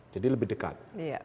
jadi lebih dekat